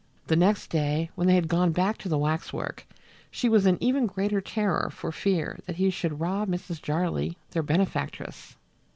The next day, when they had gone back to the waxwork, she was in even greater terror for fear he should rob Mrs. Jarley, their benefactress.